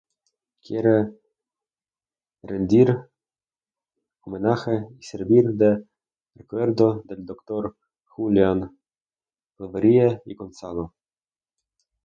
Quiere rendir homenaje y servir de recuerdo del doctor Julián Clavería y Gonzalo.